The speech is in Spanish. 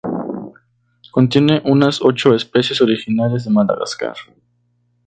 Contiene unas ocho especies originarias de Madagascar.